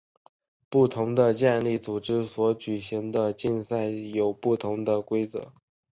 不同的健力组织所举行的竞赛有不同的规则。